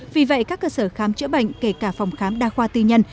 vì vậy các cơ sở khám chữa bệnh kể cả phòng khám đa khoa tư nhân